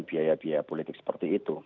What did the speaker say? biaya biaya politik seperti itu